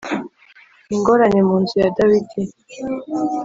ingorane mu nzu ya dawidi